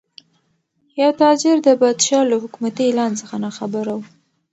یو تاجر د پادشاه له حکومتي اعلان څخه ناخبره و.